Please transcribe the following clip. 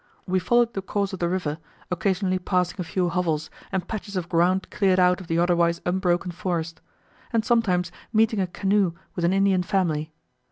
We followed the course of the river, occasionally passing a few hovels, and patches of ground cleared out of the otherwise unbroken forest; and sometimes meeting a canoe with an Indian family.